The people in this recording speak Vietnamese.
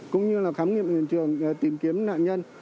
cũng như là khám nghiệm hiện trường tìm kiếm nạn nhân